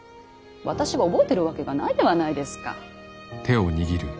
私が覚えてるわけがないではないですか。